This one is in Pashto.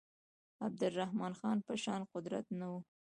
عبدالرحمن خان په شان قدرت نه وو.